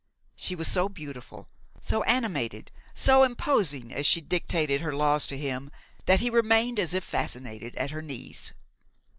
She was so beautiful, so animated, so imposing as she dictated her laws to him, that he remained as if fascinated at her knees.